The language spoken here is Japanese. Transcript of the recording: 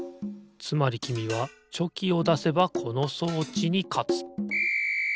つまりきみはチョキをだせばこの装置にかつピッ！